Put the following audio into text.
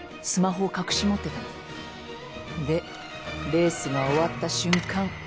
レースが終わった瞬間